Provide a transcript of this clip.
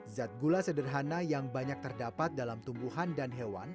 zat gula sederhana yang banyak terdapat dalam tumbuhan dan hewan